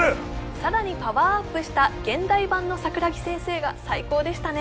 さらにパワーアップした現代版の桜木先生が最高でしたね